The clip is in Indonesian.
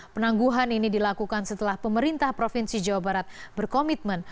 penangguhan ini dilakukan setelah pemerintah provinsi jawa barat berkomitmen